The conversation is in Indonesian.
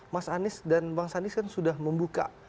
mas anies dan bang sandi kan sudah membuka